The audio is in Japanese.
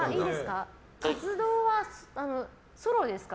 活動はソロですか？